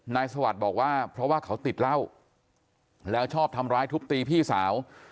สวัสดิ์บอกว่าเพราะว่าเขาติดเหล้าแล้วชอบทำร้ายทุบตีพี่สาว